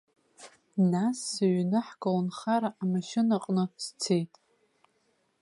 Нас сыҩны ҳколнхара амашьынаҟны сцеит.